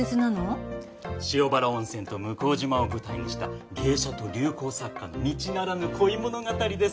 塩原温泉と向島を舞台にした芸者と流行作家の道ならぬ恋物語です。